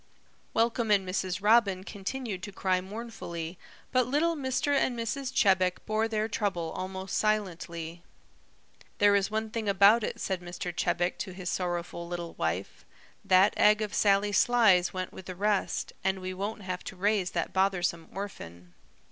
Welcome and Mrs. Robin continued to cry mournfully, but little Mr. and Mrs. Chebec bore their trouble almost silently. "There is one thing about it," said Mr. Chebec to his sorrowful little wife, "that egg of Sally Sly's went with the rest, and we won't have to raise that bothersome orphan."